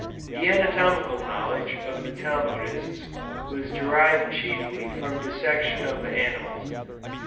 The anatomical knowledge of the Talmudists was derived chiefly from dissection of the animals.